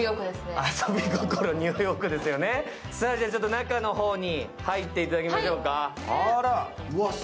中の方に入っていただきましょうか。